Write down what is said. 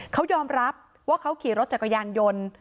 เขายอมรับว่าเขาขี่รถจักรยานยนต์